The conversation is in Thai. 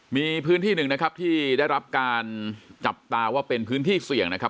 มีพื้นที่หนึ่งนะครับที่ได้รับการจับตาว่าเป็นพื้นที่เสี่ยงนะครับ